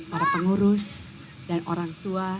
para pengurus dan orang tua